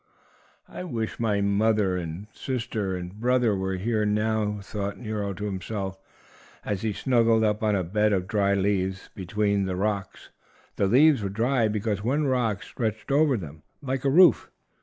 "I wish my brother and sister were here now," thought Nero to himself, as he snuggled down on a bed of dry leaves between the rocks. The leaves were dry because one rock stretched over them, like a roof.